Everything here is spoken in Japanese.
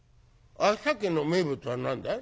秋田県の名物は何だい？」。